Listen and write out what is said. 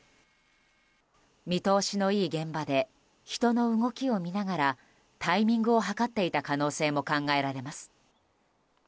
見通しのいい現場で人の動きを見ながらタイミングを計っていた可能性も考えられます。